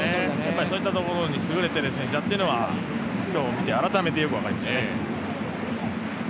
そういったところが優れている選手だというのが今日見て、改めてよく分かりましたね。